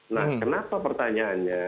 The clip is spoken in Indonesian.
nah kenapa pertanyaannya